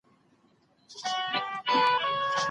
د واده تړون بايد په جبر او زور ونه سي.